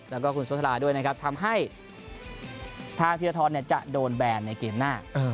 แล้วก็คุณสุธราด้วยนะครับทำให้ทางเทียร์ท้อนเนี่ยจะโดนแบนในเกมหน้า